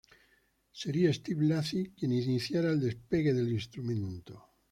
Sería Steve Lacy quien iniciara el despegue del instrumento.